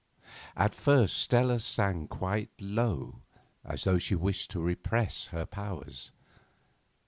At first Stella sang quite low, as though she wished to repress her powers.